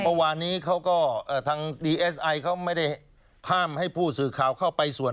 เมื่อวานนี้เขาก็ทางดีเอสไอเขาไม่ได้ห้ามให้ผู้สื่อข่าวเข้าไปส่วน